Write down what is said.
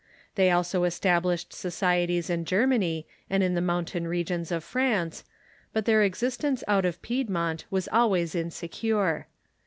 The}^ also established societies in Germany and in the mountain regions of France, but their existence out of Piedmont was always insecure.